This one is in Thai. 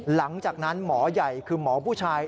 หลังจากนั้นหมอใหญ่คือหมอผู้ชาย